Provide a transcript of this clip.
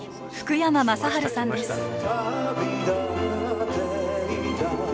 福山雅治さんです。